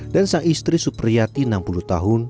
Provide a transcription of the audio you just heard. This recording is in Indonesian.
dan sang istri supriyati enam puluh tahun